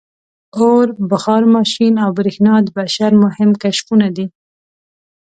• اور، بخار ماشین او برېښنا د بشر مهم کشفونه دي.